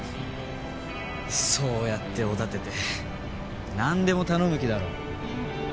そうやっておだててなんでも頼む気だろ。